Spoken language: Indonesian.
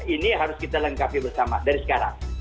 ini harus kita lengkapi bersama dari sekarang